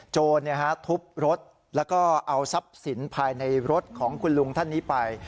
โจรทุบรถแล้วก็เอาทรัพย์สินภายในรถของคุณลุงท่านนี้ไป